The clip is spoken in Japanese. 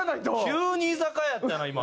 急に居酒屋やったよな今。